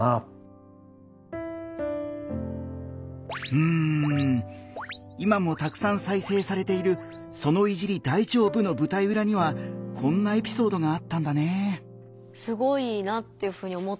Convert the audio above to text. うん今もたくさん再生されている「その“いじり”、大丈夫？」の舞台うらにはこんなエピソードがあったんだね。